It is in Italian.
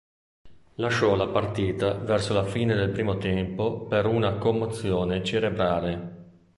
Lasciò la partita verso la fine del primo tempo per una commozione cerebrale.